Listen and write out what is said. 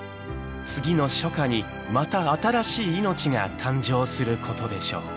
次の初夏にまた新しい命が誕生することでしょう。